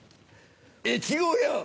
越後屋